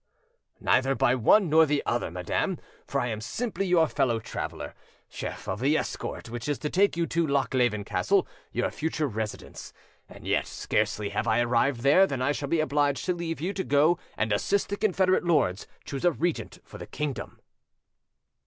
"Neither by one nor the other, madam; for I am simply your fellow traveller, chef of the escort which is to take you to Lochleven Castle, your future residence. And yet, scarcely have I arrived there than I shall be obliged to leave you to go and assist the Confederate lords choose a regent for the kingdom."